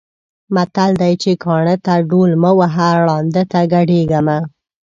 متل دی چې: کاڼۀ ته ډول مه وهه، ړانده ته ګډېږه مه.